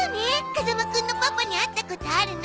風間くんのパパに会ったことあるの。